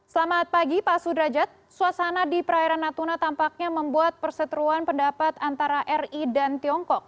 selamat pagi pak sudrajat suasana di perairan natuna tampaknya membuat perseteruan pendapat antara ri dan tiongkok